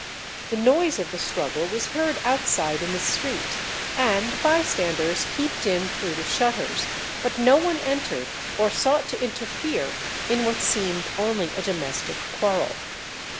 The noise of the struggle was heard outside in the street, and bystanders peeped in through the shutters, but no one entered or sought to interfere in what seemed only a domestic quarrel.